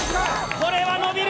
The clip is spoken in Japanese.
これは伸びる！